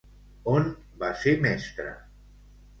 On va ser mestra?